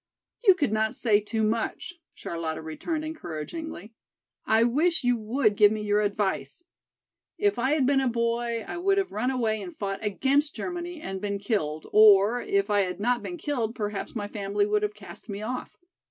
"You could not say too much," Charlotta returned encouragingly. "I wish you would give me your advice. If I had been a boy I would have run away and fought against Germany and been killed, or if I had not been killed perhaps my family would have cast me off.